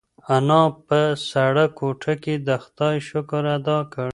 انا په سړه کوټه کې د خدای شکر ادا کړ.